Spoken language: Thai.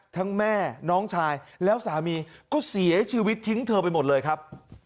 แม่น้องชายแล้วสามีก็เสียชีวิตทิ้งเธอไปหมดเลยครับ